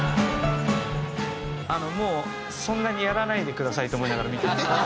もうそんなにやらないでくださいと思いながら見てました。